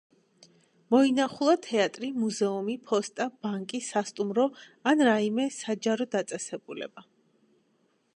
მოინახულა თეატრი, მუზეუმი, ფოსტა, ბანკი, სასტუმრო, ან რაიმე საჯარო დაწესებულება.